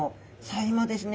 今ですね